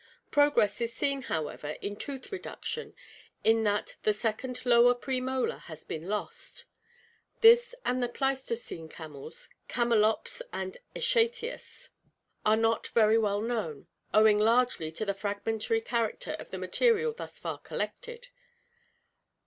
Progress is seen, however, in tooth reduction in that the second lower premolar has been lost. This and the Pleistocene camels Camelops and Eschalius are not very well known, owing largely to the fragmentary character of the material thus far collected.